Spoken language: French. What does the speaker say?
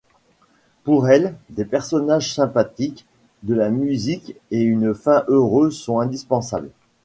Pour elle, des personnages sympathiques, de la musique et une fin heureuse sont indispensables.